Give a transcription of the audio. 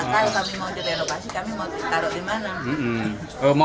kami mau direnovasi kami mau taruh dimana